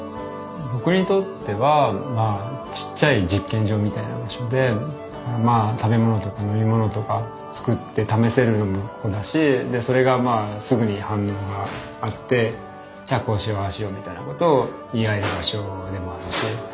僕にとってはまあちっちゃい実験場みたいな場所でまあ食べ物とか飲み物とか作って試せるのもここだしでそれがまあすぐに反応があってじゃあこうしようああしようみたいなことを言い合える場所でもあるし。